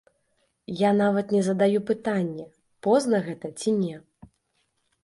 Я нават не задаю пытанне, позна гэта ці не.